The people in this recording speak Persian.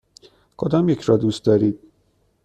کدامیک را دوست دارید؟